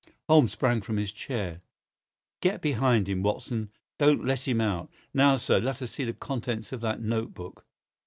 Holmes sprang from his chair. "Get behind him, Watson! Don't let him out! Now, sir, let us see the contents of that note book."